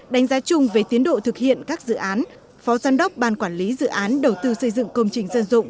đánh giá chung về tiến độ thực hiện các dự án phó giám đốc ban quản lý dự án đầu tư xây dựng công trình dân dụng